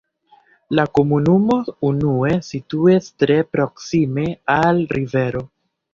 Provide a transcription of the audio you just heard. La komunumo unue situis tre proksime al rivero.